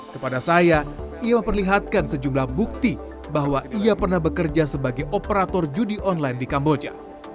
kepada saya ia memperlihatkan sejumlah bukti bahwa ia pernah bekerja sebagai operator judi online di kamboja